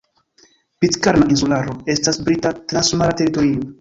Pitkarna Insularo estas Brita transmara teritorio.